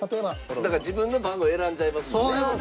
だから自分の番号選んじゃいますもんね。